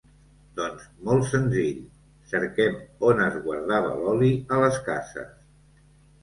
Doncs molt senzill, cerquem on es guardava l'oli a les cases.